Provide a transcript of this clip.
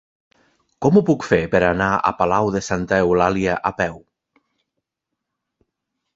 Com ho puc fer per anar a Palau de Santa Eulàlia a peu?